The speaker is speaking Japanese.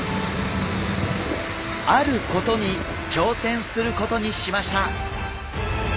あることに挑戦することにしました。